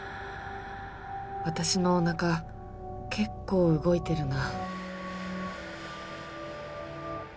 私のお腹結構動いてるな。